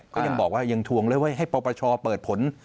ก็ยังบอกว่ายังทวงเลยว่าให้ปปชเปิดผล